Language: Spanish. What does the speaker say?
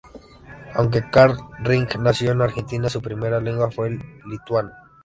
Aunque Carla Rigg nació en Argentina, su primera lengua fue el lituano.